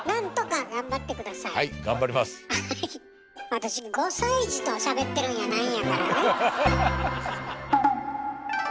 私５歳児としゃべってるんやないんやからね？